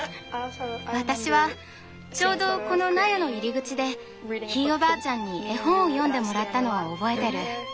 私はちょうどこの納屋の入り口でひいおばあちゃんに絵本を読んでもらったのは覚えてる。